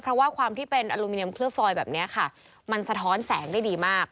เพราะว่าความที่เป็นอลูมิเนียมเคลือบฟอยแบบนี้ค่ะมันสะท้อนแสงได้ดีมาก